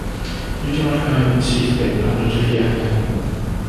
Nid yw ar gael yn syth bin pan rydych ei angen.